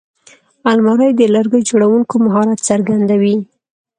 الماري د لرګیو جوړوونکي مهارت څرګندوي